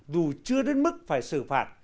dù chưa đến mức phải xử phạt